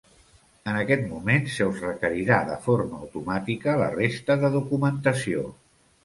En aquest moment se us requerirà de forma automàtica la resta de documentació.